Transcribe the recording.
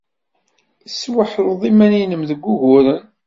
Tesweḥleḍ iman-nnem deg wuguren?